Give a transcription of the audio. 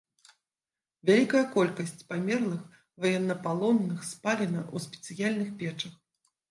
Вялікая колькасць памерлых ваеннапалонных спалена ў спецыяльных печах.